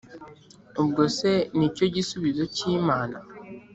ubwo se iki nicyo gisubizo cy’imana?